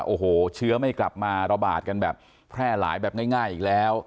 โอ้โหเชื้อไม่กลับมาระบาดกันแบบแพร่หลายแบบง่ายอีกแล้ว